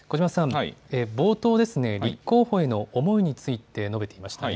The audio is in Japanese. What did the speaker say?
冒頭ですね、立候補への思いについて述べていました。